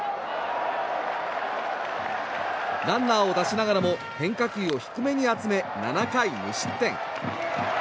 ランナーを出しながらも変化球を低めに集め７回無失点。